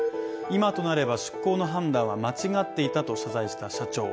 今となれば出航の判断は間違っていたと謝罪した社長。